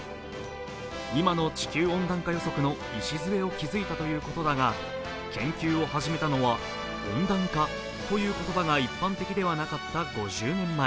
今の地球温暖化予測の礎を築いたということだが研究を始めたのは温暖化という言葉が一般的ではなかった５０年前。